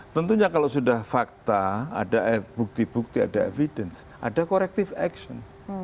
tentunya kalau sudah fakta ada bukti bukti ada evidence ada corrective action